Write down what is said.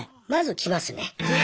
まず来ますね。